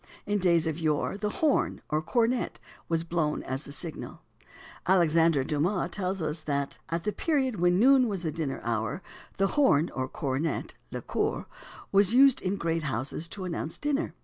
In days of yore the horn, or cornet, was blown as the signal. Alexander Dumas tells us that "at the period when noon was the dinner hour, the horn or cornet (le cor) was used in great houses to announce dinner.